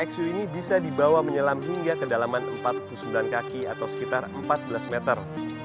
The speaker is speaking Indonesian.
xu ini bisa dibawa menyelam hingga kedalaman empat puluh sembilan kaki atau sekitar empat belas meter